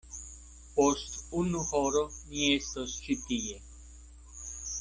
Post unu horo ni estos ĉi tie.